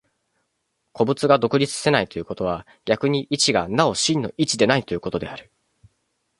個物が独立せないということは、逆に一がなお真の一でないということである。